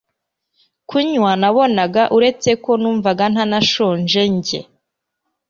kunywa nabonaga uretse ko numvaga ntanashonje njye